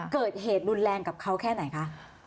เกิดเหตุรุนแรงกับเขาแค่ไหนคะ